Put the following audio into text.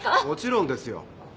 もちろんですよ。